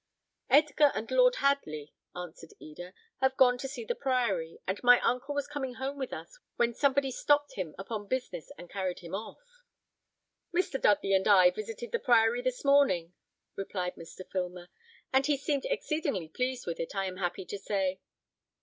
"Edgar and Lord Hadley," answered Eda, "have gone to see the priory, and my uncle was coming home with us, when somebody stopped him upon business and carried him off." "Mr. Dudley and I visited the priory this morning," replied Mr. Filmer; "and he seemed exceedingly pleased with it, I am happy to say."